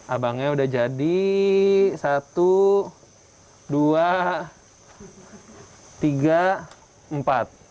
abangnya udah jadi satu dua tiga empat